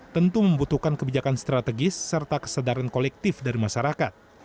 tentu membutuhkan kebijakan strategis serta kesadaran kolektif dari masyarakat